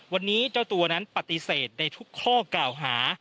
วันนี้เจ้าตัวนั้นปฏิเสธในทุกข้อกล่าวหา